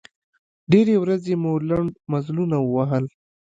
ډېرې ورځې مو لنډ مزلونه ووهل.